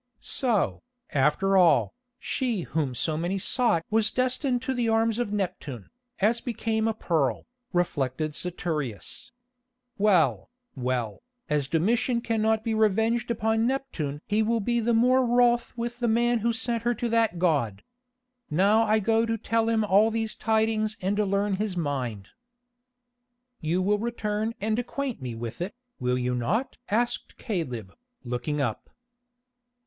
"So, after all, she whom so many sought was destined to the arms of Neptune, as became a pearl," reflected Saturius. "Well, well, as Domitian cannot be revenged upon Neptune he will be the more wroth with the man who sent her to that god. Now I go to tell him all these tidings and learn his mind." "You will return and acquaint me with it, will you not?" asked Caleb, looking up.